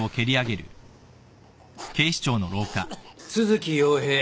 都築洋平。